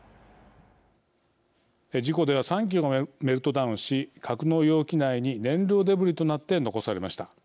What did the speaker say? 事故では３基がメルトダウンし格納容器内に燃料デブリとなって残されました。